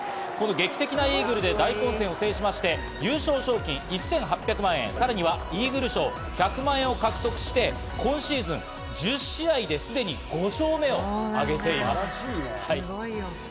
劇的なイーグルで大混戦を制しまして、優勝賞金１８００万円、さらにはイーグル賞１００万円を獲得して、今シーズン１０試合ですでに５勝目を挙げています。